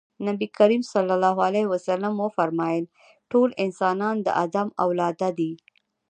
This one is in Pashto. نبي کريم ص وفرمايل ټول انسانان د ادم اولاده دي.